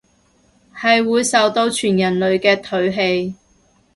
係會受到全人類嘅唾棄